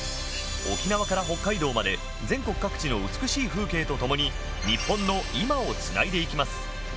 沖縄から北海道まで全国各地の美しい風景とともに日本の「今」をつないでいきます。